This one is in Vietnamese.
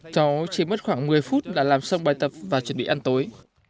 cháu chỉ mất khoảng một mươi phút đã làm xong bài tập và chuẩn bị ăn tối